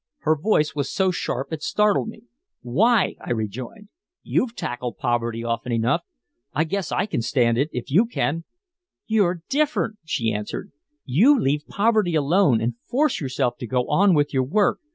Her voice was so sharp it startled me. "Why?" I rejoined. "You've tackled poverty often enough. I guess I can stand it if you can." "You're different," she answered. "You leave poverty alone and force yourself to go on with your work.